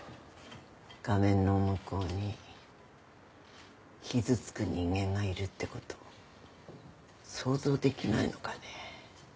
画面の向こうに傷つく人間がいるって事想像できないのかね。